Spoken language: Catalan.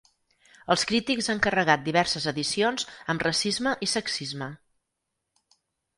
Els crítics han carregat diverses edicions amb racisme i sexisme.